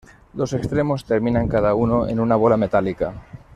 Los extremos terminan cada uno en una bola metálica.